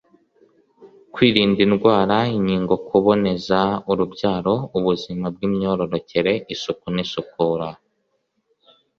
kwirinda indwara inkingo kuboneza urubyaro ubuzima bw imyororokere isuku n isukura